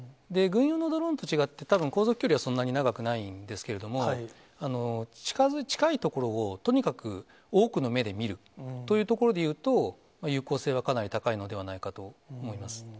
軍用のドローンと違って、たぶん、航続距離はそんなに長くないんですけれども、近い所をとにかく多くの目で見るというところでいうと、有効性はかなり高いのではないかと思います。